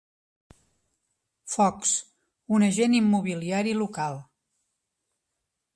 Fox, un agent immobiliari local.